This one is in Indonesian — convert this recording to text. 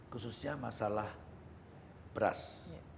khususnya masalah beras